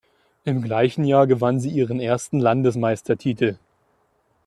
Im gleichen Jahr gewann sie ihren ersten Landesmeistertitel.